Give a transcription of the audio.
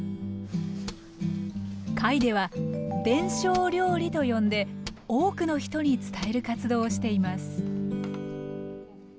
会では「伝承料理」と呼んで多くの人に伝える活動をしています